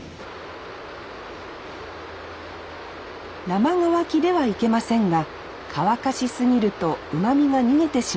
生乾きではいけませんが乾かし過ぎるとうまみが逃げてしまいます。